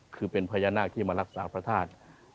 คือเป็นพญานาคที่มารักษาพระธาตุ